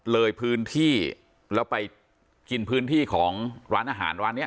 เลยพื้นที่แล้วไปกินพื้นที่ของร้านอาหารร้านนี้